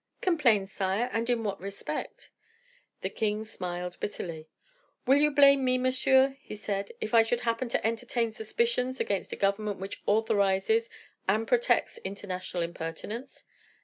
"Complain, sire, and in what respect?" The king smiled bitterly. "Will you blame me, monsieur," he said, "if I should happen to entertain suspicions against a government which authorizes and protects international impertinence?"